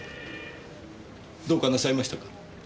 どうかなさいましたか？